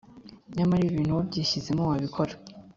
Nyamara ibibintu wabyishyizemo wabikora